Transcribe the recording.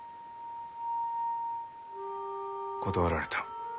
断られた。